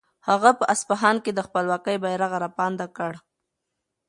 هغه په اصفهان کې د خپلواکۍ بیرغ رپاند کړ.